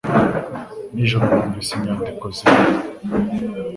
Nijoro numvise inyandiko zimwe.